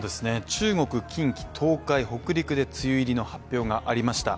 中国近畿、東海、北陸で梅雨入りの発表がありました。